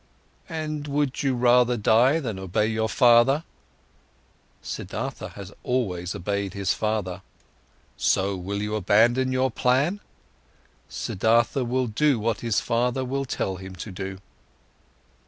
"And would you rather die, than obey your father?" "Siddhartha has always obeyed his father." "So will you abandon your plan?" "Siddhartha will do what his father will tell him to do."